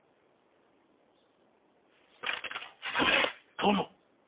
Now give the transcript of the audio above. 殿。